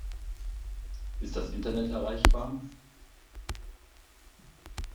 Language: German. Ist das Internet erreichbar?